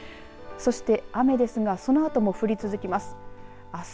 そして雨ですがそのあとも降り続きます。